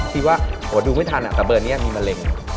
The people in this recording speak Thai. ที่ว่าดูไม่ทันแต่เบอร์นี้มีมะเร็ง